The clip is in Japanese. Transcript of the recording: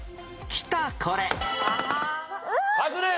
きたこれ。